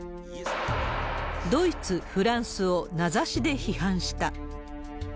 ドイツ、フランスを名指しで批判した。